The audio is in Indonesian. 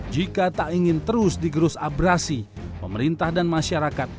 jika tak ingin terus digerus abrasi pemerintah dan masyarakat